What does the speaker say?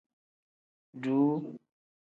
Duuu.